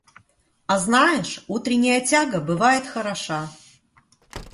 А знаешь, утренняя тяга бывает хороша.